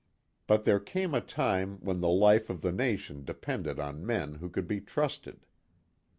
But there came a time when the life of the nation depended on men who could be trusted.